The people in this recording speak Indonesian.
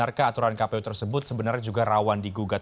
apakah aturan kpu tersebut sebenarnya juga rawan digugat